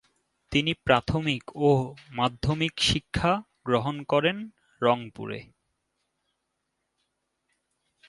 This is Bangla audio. তিনি প্রাথমিক ও মাধ্যমিক শিক্ষা গ্রহণ করেন রংপুরে।